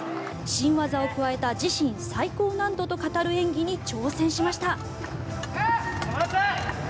新技を加えた自身最高難度と語る演技に挑戦しました。